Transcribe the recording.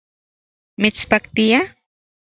¿Mitspaktia?